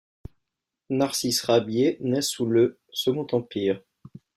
Narcisse Rabier naît le sous le Second Empire.